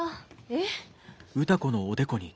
えっ？